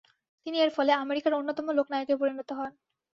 তিনি এর ফলে আমেরিকার অন্যতম লোক নায়কে পরিনত হন।